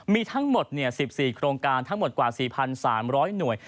มีทั้งหมด๑๔โครงการทั้งหมดกว่า๔๓๐๐หน่วย